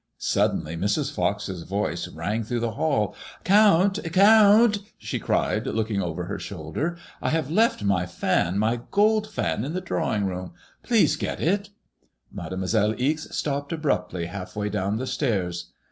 Suddenly Mrs. Fox's voice rang through the hall —" Count, Count !" she cried, looking over her shoulder, ^' I have left my fan, my gold fan, in the drawing room. Please get it." Mademoiselle Ixe stopped abruptly half way down the stairs.